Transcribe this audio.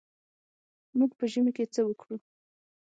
موږ په ژمي کې څه وکړو.